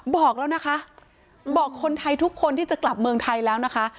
บอกแล้วนะคะบอกคนไทยทุกคนที่จะกลับเมืองไทยแล้วนะคะ